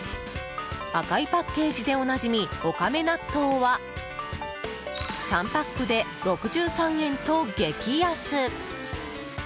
赤いパッケージでおなじみおかめ納豆は３パックで６３円と激安。